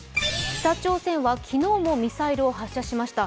北朝鮮は昨日もミサイルを発射しました。